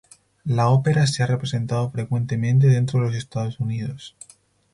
La ópera se ha representado frecuentemente dentro de los Estados Unidos.